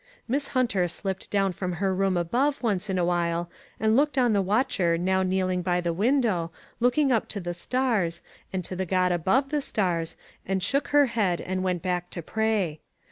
Miss Hunter slipped down from her room above, once in a while, and looked on the watcher now kneeling by the window, looking up to the stars, and to the God above the stars, and shook her head, and went back to pray.